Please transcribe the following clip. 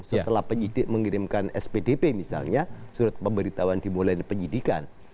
setelah penyidik mengirimkan spdp misalnya surat pemberitahuan dimulai penyidikan